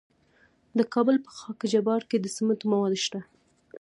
د کابل په خاک جبار کې د سمنټو مواد شته.